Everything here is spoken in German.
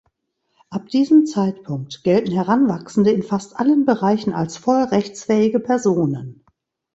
Ab diesem Zeitpunkt gelten Heranwachsende in fast allen Bereichen als voll rechtsfähige Personen.